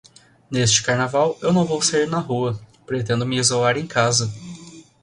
Neste Carnaval eu não vou sair na rua, pretendo me isolar em casa.